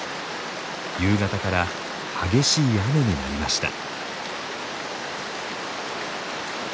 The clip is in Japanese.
夕方から激しい雨になりました。